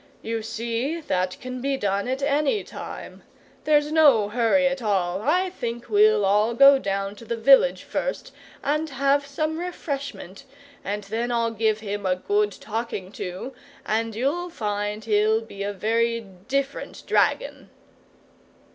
"You see, that can be done at ANY time. There's no hurry at all. I think we'll all go down to the village first, and have some refreshment, and then I'll give him a good talking to, and you'll find he'll be a very different dragon!"